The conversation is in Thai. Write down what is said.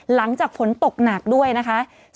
หลังจากความเข้มไป